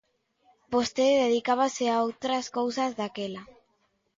Vostede dedicábase a outras cousas daquela.